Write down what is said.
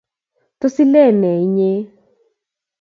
Tos ileen ne inye?